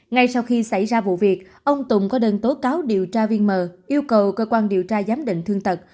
ngay sau khi xảy ra vụ việc ông tùng có đơn tố cáo điều tra viên m yêu cầu cơ quan điều tra giám định thương tật